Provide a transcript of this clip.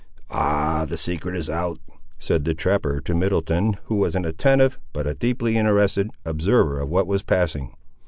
"Ah! the secret is out," said the trapper to Middleton, who was an attentive, because a deeply interested, observer of what was passing.